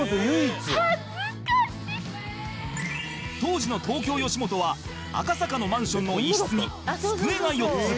当時の東京吉本は赤坂のマンションの一室に机が４つ